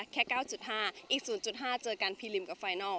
แค่๙๕อีก๐๕เจอกันพีริมกับไฟนัล